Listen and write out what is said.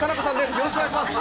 よろしくお願いします。